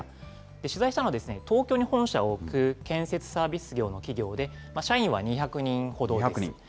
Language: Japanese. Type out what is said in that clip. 取材したのは、東京に本社を置く建設サービス業の企業で、社員は２００人ほどです。